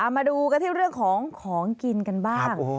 มาดูกันที่เรื่องของของกินกันบ้าง